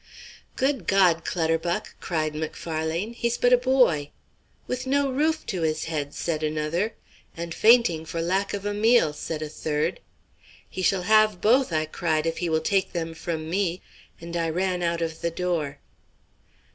"Good God, Clutterbuck!" cried Macfarlane "he's but a boy." "With no roof to his head," said another. "And fainting for lack of a meal," said a third. "He shall have both," I cried, "if he will take them from me," and I ran out of the door.